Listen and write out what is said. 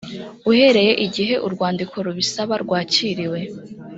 uhereye igihe urwandiko rubisaba rwakiriwe